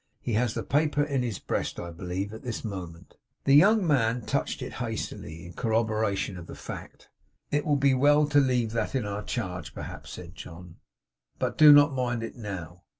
He has the paper in his breast, I believe, at this moment.' The young man touched it hastily; in corroboration of the fact. 'It will be well to leave that in our charge, perhaps,' said John. 'But do not mind it now.